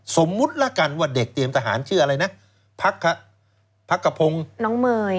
สมมุติละกันว่าเด็กเตรียมทหารชื่ออะไรนะพักกระพงศ์น้องเมย์